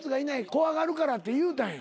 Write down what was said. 怖がるからって言うたんや。